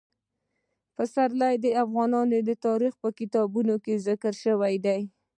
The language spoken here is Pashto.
پسرلی د افغان تاریخ په کتابونو کې ذکر شوی دي.